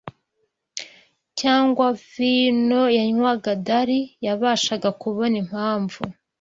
cyangwa vino yanywaga Dali yabashaga kubona Impamvu